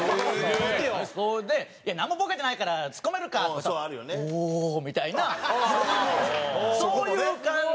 「何もボケてないからツッコめるか！」って言ったら「おおー！」みたいなそういう感じ。